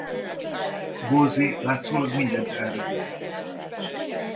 Wolsey látszólag mindent elrendezett.